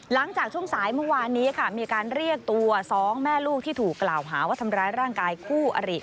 หลังจากช่วงสายเมื่อวานนี้ค่ะมีการเรียกตัว๒แม่ลูกที่ถูกกล่าวหาว่าทำร้ายร่างกายคู่อริ